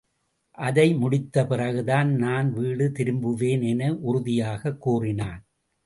அதை முடித்த பிறகுதான், நான் வீடு திரும்புவேன் என உறுதியாகக் கூறினான்.